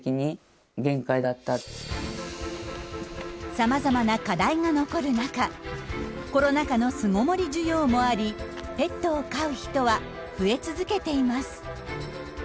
さまざまな課題が残る中コロナ禍の巣籠もり需要もありペットを飼う人は増え続けています。